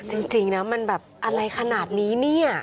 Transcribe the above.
จริงนะมันแบบอะไรขนาดนี้เนี่ย